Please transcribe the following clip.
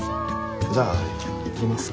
じゃあ行きますか。